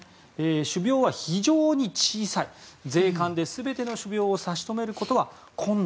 種苗は非常に小さい税関で全ての種苗を差し止めることは困難。